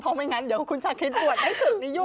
เพราะไม่งั้นเดี๋ยวคุณชาคริสบวชให้ศึกนี่ยุ่ง